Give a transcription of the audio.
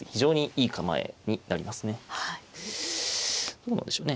どうなんでしょうね。